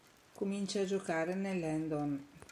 Comincia a giocare nell'Hendon.